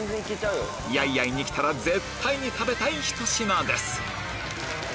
やいやいに来たら絶対に食べたいひと品です